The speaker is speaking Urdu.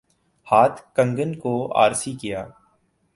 ہاتھ کنگن کو آرسی کیا؟